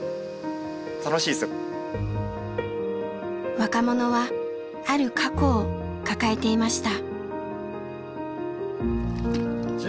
若者はある過去を抱えていました。